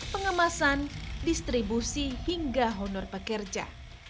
pengemasan distribusi hingga honor pekerja